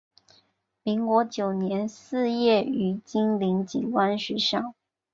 民国九年肄业于金陵警官学校。